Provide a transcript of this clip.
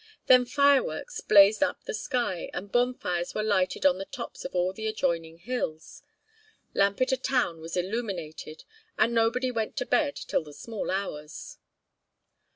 Then fireworks blazed up the sky, and bonfires were lighted on the tops of all the adjoining hills. Lampeter town was illuminated, and nobody went to bed till the small hours.